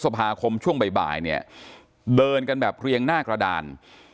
ภาคมช่วงบ่ายเนี่ยเดินกันแบบเรียงหน้ากระดาน